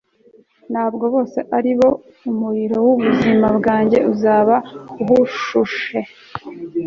ntabwo bose ari bo umuriro w'ubuzima bwanjye uzaba ushushe